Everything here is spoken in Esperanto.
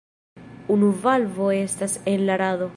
Unu valvo estas en la rado.